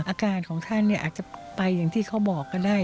อาการของท่านอาจจะไปอย่างที่เขาบอกก็ได้